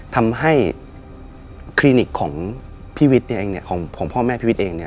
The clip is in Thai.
ทำให้คลินิกของพ่อแม่พี่วิทย์เอง